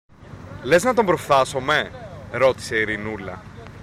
Λες να τον προφθάσομε; ρώτησε η Ειρηνούλα.